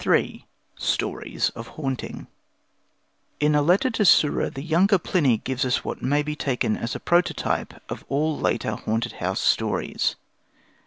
] III STORIES OF HAUNTING In a letter to Sura the younger Pliny gives us what may be taken as a prototype of all later haunted house stories.